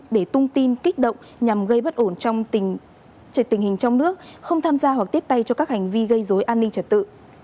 để tung tin kích động nhằm gây bất ổn trong tình hình trong nước không tham gia hoặc tiếp tay cho các hành vi gây dối an ninh trật tự